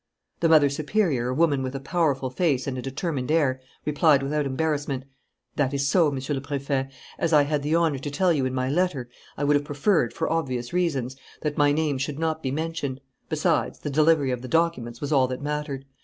The mother superior, a woman with a powerful face and a determined air, replied, without embarrassment: "That is so, Monsieur le Préfet. As I had the honour to tell you in my letter, I would have preferred, for obvious reasons, that my name should not be mentioned. Besides, the delivery of the documents was all that mattered.